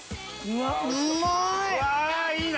うまい！